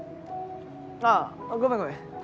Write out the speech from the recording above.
あぁごめんごめん。